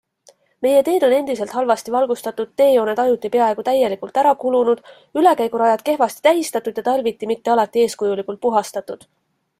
Meie teed on endiselt halvasti valgustatud, teejooned ajuti peaaegu täielikult ära kulunud, ülekäigurajad kehvasti tähistatud ja talviti mitte alati eeskujulikult puhastatud.